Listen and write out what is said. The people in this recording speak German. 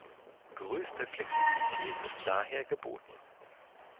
Größte Flexibilität ist daher geboten.